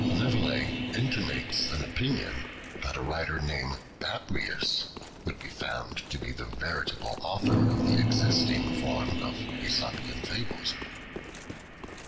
Nevelet intimates an opinion, that a writer named Babrias would be found to be the veritable author of the existing form of Aesopian Fables.